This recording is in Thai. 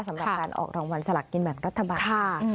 สำหรับการออกรางวัลสลักกินแบ่งรัฐบาล